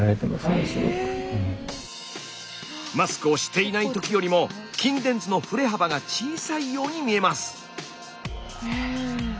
マスクをしていない時よりも筋電図の振れ幅が小さいように見えます。